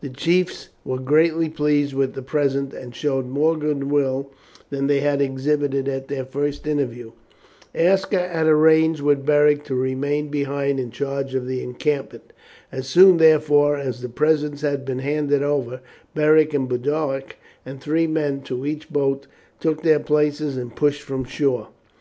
The chiefs were greatly pleased with the present, and showed more goodwill than they had exhibited at their first interview. Aska had arranged with Beric to remain behind in charge of the encampment. As soon, therefore, as the presents had been handed over, Beric with Boduoc and three men to each boat took their places and pushed from shore.